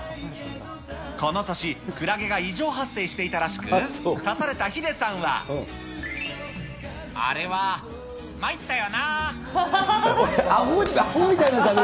この年、クラゲが異常発生していたらしく、刺されたヒデさんは、あほみたいな。